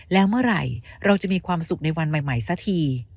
แล้วเมื่อไหร่เราจะมีความสุขในวันใหม่สักที